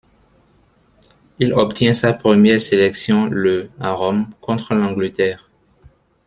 Il obtient sa première sélection le à Rome contre l'Angleterre.